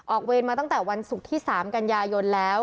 เวรมาตั้งแต่วันศุกร์ที่๓กันยายนแล้ว